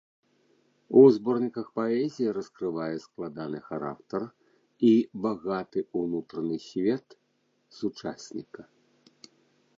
У зборніках паэзіі раскрывае складаны характар і багаты ўнутраны свет сучасніка.